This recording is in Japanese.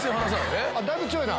だいぶ強いな。